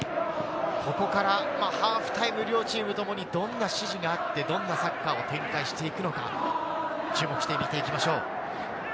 ここからハーフタイム、両チームともにどんな指示があって、どんなサッカーを展開していくのか、注目して見ていきましょう。